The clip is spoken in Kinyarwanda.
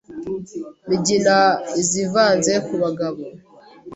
Migina izivanye ku bugabo